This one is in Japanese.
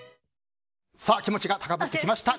気持ちが高まってきました。